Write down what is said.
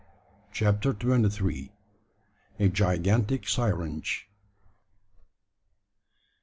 CHAPTER TWENTY THREE. A GIGANTIC SYRINGE.